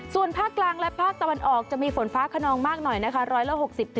ส่วนภาคกลางและภาคตะวันออกจะมีฝนฟ้าขนองมากหน่อยนะคะ๑๖๐